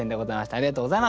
ありがとうございます。